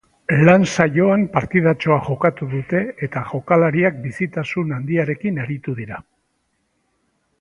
Lan-saioan partidatxoa jokatu dute, eta jokalariak bizitasun handiarekin aritu dira.